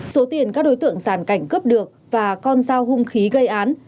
số tiền các đối tượng sàn cảnh cướp được và con sao hung khí gây án